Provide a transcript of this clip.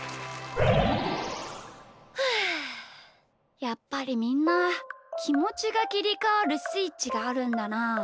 ふうやっぱりみんなきもちがきりかわるスイッチがあるんだな。